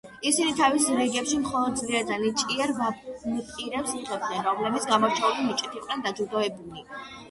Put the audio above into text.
ისინი თავის რიგებში მხოლოდ ძლიერ და ნიჭიერ ვამპირებს იღებდნენ, რომლებიც გამორჩეული ნიჭით იყვნენ დაჯილდოებულნი.